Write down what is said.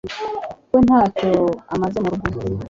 we ntacyo amaze mu rugo